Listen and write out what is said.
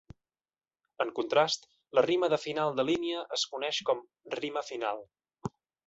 En contrast, la rima de final de línia es coneix com "rima final".